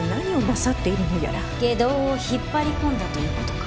外道を引っ張り込んだということか。